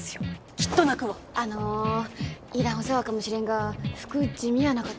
「きっと泣く」はあのいらんお世話かもしれんが服地味やなかと？